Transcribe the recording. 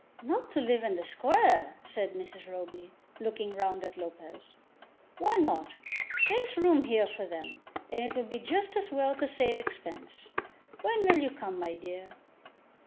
"Not to live in the Square?" said Mrs. Roby, looking round at Lopez. "Why not? There's room here for them, and it will be just as well to save expense. When will you come, my dear?"